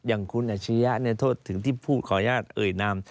อาชิริยะเนี่ยโทษถึงที่พูดขออนุญาตเอ่ยนาม